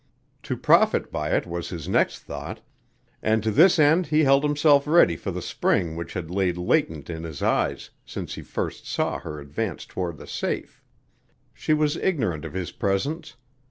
To profit by it was his next thought, and to this end he held himself ready for the spring which had laid latent in his eyes since he first saw her advance toward the safe. She was ignorant of his presence.